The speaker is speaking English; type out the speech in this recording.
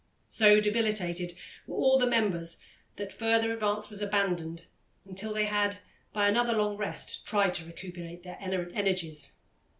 So debilitated were all the members that further advance was abandoned until they had, by another long rest, tried to recuperate their energies.